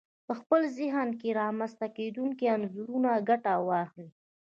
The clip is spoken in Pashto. په خپل ذهن کې له رامنځته کېدونکو انځورونو ګټه واخلئ.